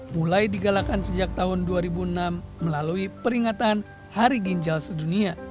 mulai digalakan sejak tahun dua ribu enam melalui peringatan hari ginjal sedunia